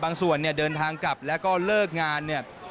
ส่วนเนี่ยเดินทางกลับแล้วก็เลิกงานเนี่ย